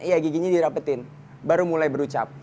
iya giginya dirapetin baru mulai berucap